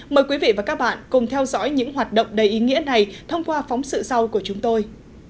mời quý vị và các bạn cùng theo dõi những hoạt động đầy ý nghĩa này thông qua phóng sự sau của chúng tôi